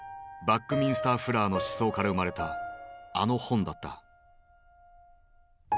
バックミンスター・フラーの思想から生まれたあの本だった。